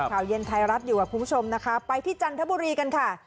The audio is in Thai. ข่าวเย็นไทยรัฐอยู่กับคุณผู้ชมนะคะไปที่จันทบุรีกันค่ะ